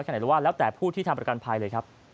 ไหนหรือว่าแล้วแต่ผู้ที่ทำประกันภัยเลยครับ